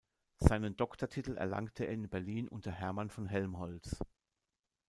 Seinen Doktortitel erlangte er in Berlin unter Hermann von Helmholtz.